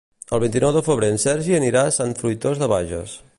El vint-i-nou de febrer en Sergi anirà a Sant Fruitós de Bages.